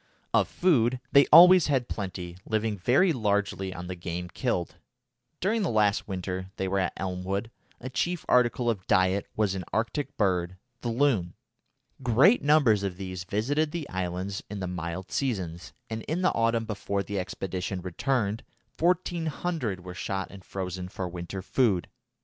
Of food they always had plenty, living very largely on the game killed. During the last winter they were at Elmwood a chief article of diet was an Arctic bird, the loon. Great numbers of these visited the islands in the mild seasons, and in the autumn before the expedition returned 1400 were shot and frozen for winter food.